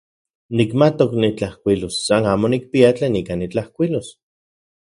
Nikmatok nitlajkuilos, san amo nikpia tlen ika nitlajkuilos.